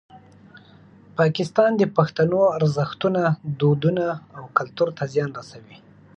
پاکستان د پښتنو ارزښتونه، دودونه او کلتور ته زیان رسوي.